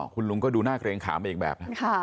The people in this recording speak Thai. คุณลุงก็ดูหน้าเกรงขามไปอีกแบบนะ